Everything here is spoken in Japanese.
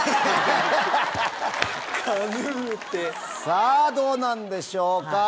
さぁどうなんでしょうか？